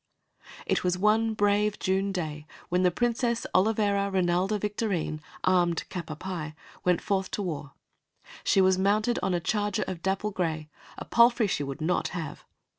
It was one brave June day when the Princess Olivera Rinalda Victorine, armed cap à pie, went forth to war. She was mounted on a charger of dapple gray; a palfrey she would not have.